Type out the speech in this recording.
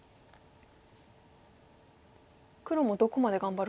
黒もどこまで頑張るかですか。